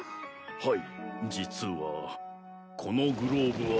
はい実はこのグローブは。